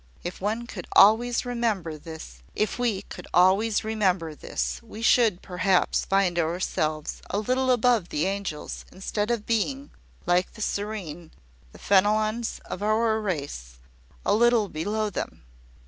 If one could always remember this ." "If we could always remember this, we should perhaps find ourselves a little above the angels, instead of being, like the serene, the Fenelons of our race, a little below them.